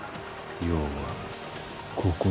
要はここだ。